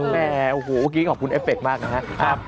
แหมโอ้โหเมื่อกี้ขอบคุณเอฟเคมากนะครับ